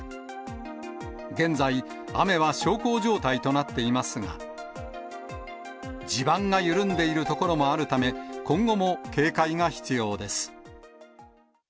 現在、雨は小康状態となっていますが、地盤が緩んでいる所もあるため、今後も警戒が必要です。